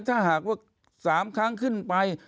ถ้าหากว่า๓ครั้งขึ้นไป